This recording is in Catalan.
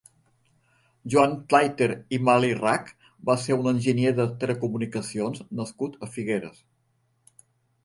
Joan Trayter i Malirach va ser un enginyer de telecomunicacions nascut a Figueres.